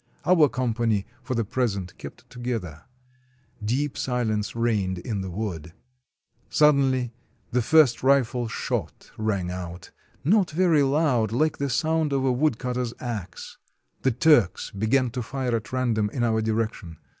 Our company, for the present, kept together. Deep silence reigned in the wood. Suddenly the first rifle shot rang out, not very loud, like the sound of a woodcutter's axe. The Turks began to fire at random in our direction.